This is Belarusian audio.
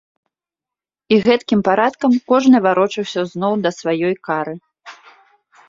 І гэткім парадкам кожны варочаўся зноў да сваёй кары.